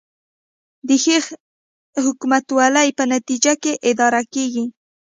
د ښې حکومتولې په نتیجه کې اداره کیږي